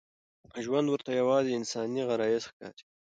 ژوند ورته یوازې انساني غرايز ښکاري.